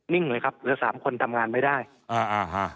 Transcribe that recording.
เลยครับเหลือสามคนทำงานไม่ได้อ่าอ่าฮะ